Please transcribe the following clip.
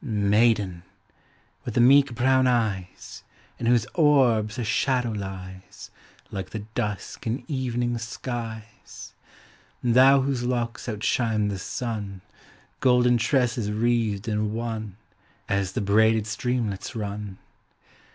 Maiden! with the meek brown eyes. In whose orbs a shadow lies Like the dusk in evening skies! Thou whose locks outshine the sun, Golden tresses wreathed in one. As the braided streamlets run!